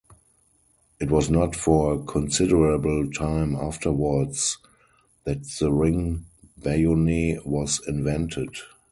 It was not for a considerable time afterwards that the ring bayonet was invented.